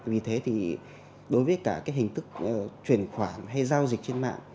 vì thế thì đối với cả cái hình thức chuyển khoản hay giao dịch trên mạng